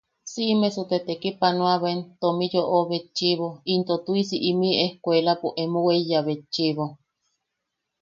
Siʼimesu, te tekipanoabaen tomi yoʼo betchiʼibo into tuʼisi imiʼi ejkuelapo emo weiya betchiʼibo.